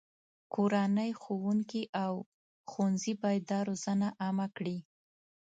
کورنۍ، ښوونکي، او ښوونځي باید دا روزنه عامه کړي.